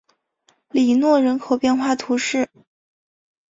里诺人口变化图示